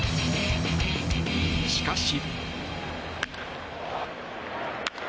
しかし。